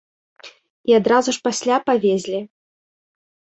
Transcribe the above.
І адразу ж пасля павезлі.